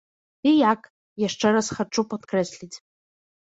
І як, яшчэ раз хачу падкрэсліць.